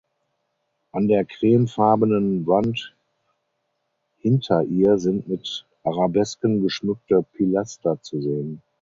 An der cremefarbenen Wand hinter ihr sind mit Arabesken geschmückte Pilaster zu sehen.